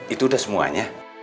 itu udah semuanya